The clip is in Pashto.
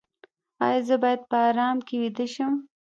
ایا زه باید په ارام کې ویده شم؟